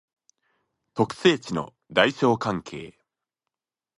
特性値の大小関係